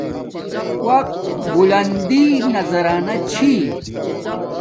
وقت بلندی نزانی چھی